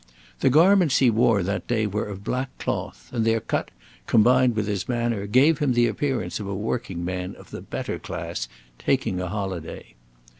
The garments he wore that day were black cloth, and their cut, combined with his manner, gave him the appearance of a working man of the better class taking a holiday.